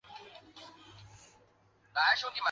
该组织谋求通过武装斗争来建立自治政府。